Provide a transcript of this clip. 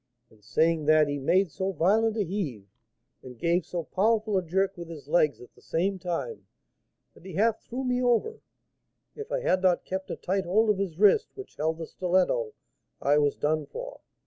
And saying that, he made so violent a heave, and gave so powerful a jerk with his legs at the same time, that he half threw me over; if I had not kept a tight hold of his wrist which held the stiletto, I was done for.